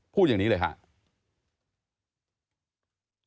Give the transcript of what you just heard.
พูดอย่างนี้เลยแค่